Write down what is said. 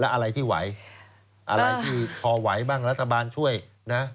อะไรที่ไหวอะไรที่พอไหวบ้างรัฐบาลช่วยนะ